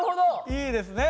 いいですね。